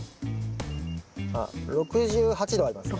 あっ６８度ありますね。